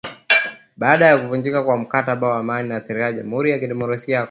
baada ya kuvunjika kwa mkataba wa amani na serikali ya Jamhuri ya kidemokrasia ya Kongo